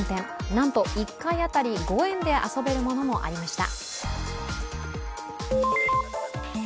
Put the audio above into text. なんと１回当たり５円で遊べるものもありました。